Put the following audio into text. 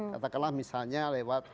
katakanlah misalnya lewat